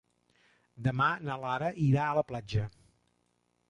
Demà na Lara irà a la platja.